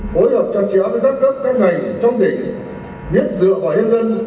phối hợp chặt chẽ với các cấp các ngành trong tỉnh nhất dựa vào nhân dân